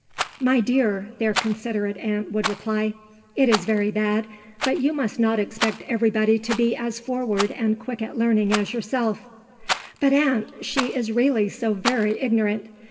"'My dear,' their considerate aunt would reply, 'it is very bad, but you must not expect everybody to be as forward and quick at learning as yourself.' "'But, aunt, she is really so very ignorant.